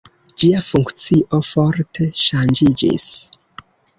Ĝia funkcio forte ŝanĝiĝis.